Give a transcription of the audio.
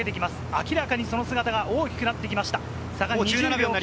明らかにその姿が大きくなってきました。